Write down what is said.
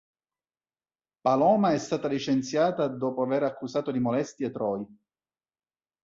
Paloma è stata licenziata dopo aver accusato di molestie Troy.